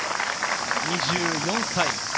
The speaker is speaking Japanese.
２４歳。